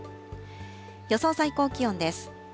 予想最高気温です。